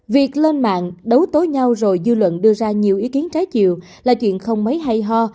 việc lên mạng đấu tối nhau rồi dư luận đưa ra nhiều ý kiến trái chiều là chuyện không mấy hay ho